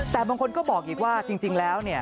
แต่บางคนก็บอกอีกว่าจริงแล้วเนี่ย